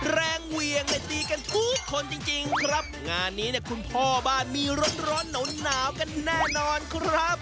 แรงเหวี่ยงได้ดีกันทุกคนจริงครับงานนี้คุณพ่อบ้านมีร้อนหนาวกันแน่นอนครับ